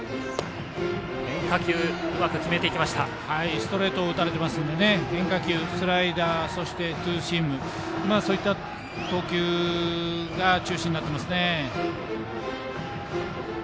ストレートを打たれていますので変化球、スライダーそしてツーシームそういった投球が中心になっていますね。